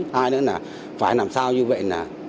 hay nữa là phải làm sao như vậy là